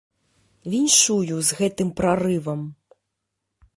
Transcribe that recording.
Віншую з гэтым прарывам.